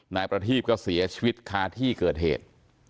นายประทีพก็เสียชีวิตคาที่เกิดเหตุ